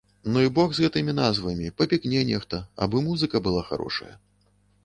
Ну і бог з гэтымі назвамі, папікне нехта, абы музыка была харошая.